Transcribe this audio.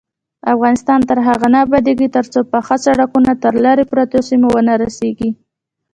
افغانستان تر هغو نه ابادیږي، ترڅو پاخه سړکونه تر لیرې پرتو سیمو ونه رسیږي.